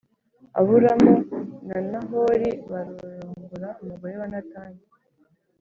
Aburamu na Nahori bararongora umugore wa Natani